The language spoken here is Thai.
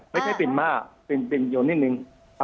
ไม่ใช่เป็นม่าเป็นโยนนิดนึง